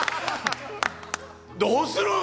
どうするん？